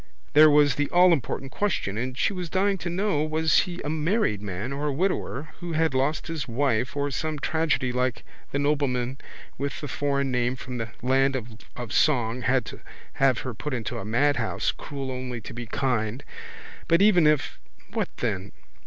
There was the allimportant question and she was dying to know was he a married man or a widower who had lost his wife or some tragedy like the nobleman with the foreign name from the land of song had to have her put into a madhouse, cruel only to be kind. But even if—what then?